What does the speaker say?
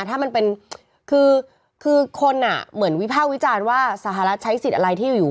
ถ้ามันเป็นคือคนอ่ะเหมือนวิภาควิจารณ์ว่าสหรัฐใช้สิทธิ์อะไรที่อยู่